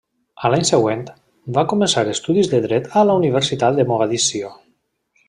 A l'any següent, va començar estudis de dret a la Universitat de Mogadiscio.